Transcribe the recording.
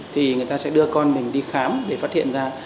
thì người ta sẽ đưa con mình đi khám để phát hiện ra